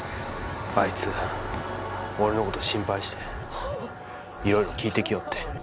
あいつ俺の事心配していろいろ聞いてきよって。